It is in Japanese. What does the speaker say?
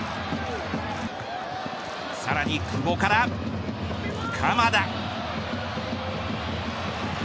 さらに久保から鎌田。